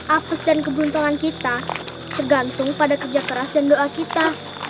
apes dan kebuntungan kita tergantung pada kerja keras dan doa kita